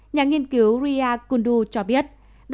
nhà nghiên cứu ria kundu cho biết